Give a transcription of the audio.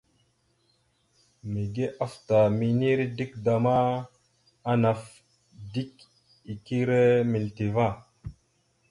Mige afta minire dik da ma, anaf dik ire milite ava.